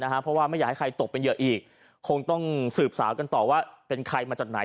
เพราะว่าไม่อยากให้ใครตกเป็นเหยื่ออีกคงต้องสืบสาวกันต่อว่าเป็นใครมาจากไหน